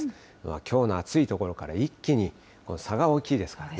きょうの暑いところから一気に、差が大きいですからね。